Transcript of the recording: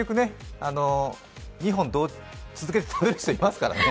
２本続けて食べる人いますからね。